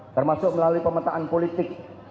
termasuk melalui pemetaan politik